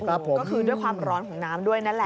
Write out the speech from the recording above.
ก็คือด้วยความร้อนของน้ำด้วยนั่นแหละ